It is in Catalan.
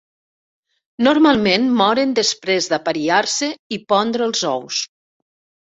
Normalment moren després d'apariar-se i pondre els ous.